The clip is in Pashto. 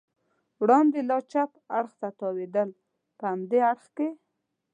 وړاندې لار چپ اړخ ته تاوېدل، په همدې اړخ کې.